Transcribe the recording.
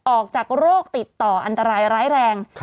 ออกจากโรคติดต่ออันตรายร้ายแรง